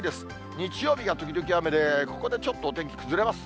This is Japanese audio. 日曜日は時々雨で、ここでちょっとお天気崩れます。